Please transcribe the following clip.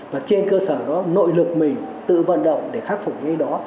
và trên cơ sở đó nội lực mình tự vận động để khắc phục cái đó